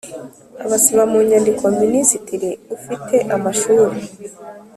abisaba mu nyandiko Minisitiri ufite amashuri